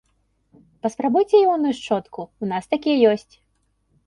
Паспрабуйце іонную шчотку, у нас такія ёсць.